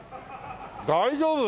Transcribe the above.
大丈夫？